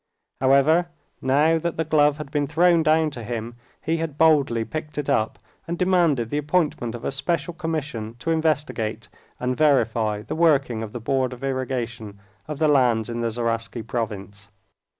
However, now that the glove had been thrown down to him, he had boldly picked it up and demanded the appointment of a special commission to investigate and verify the working of the Board of Irrigation of the lands in the Zaraisky province.